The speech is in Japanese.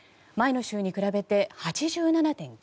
前の週に比べて８７．９％。